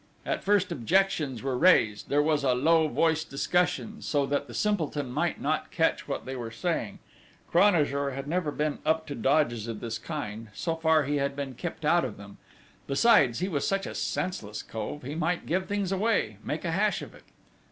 At first objections were raised; there was a low voiced discussion, so that the simpleton might not catch what they were saying: Cranajour had never been up to dodges of this kind: so far he had been kept out of them; besides, he was such a senseless cove, he might give things away, make a hash of it!